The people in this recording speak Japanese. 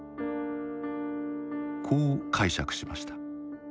こう解釈しました。